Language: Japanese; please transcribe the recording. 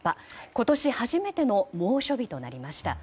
今年初めての猛暑日となりました。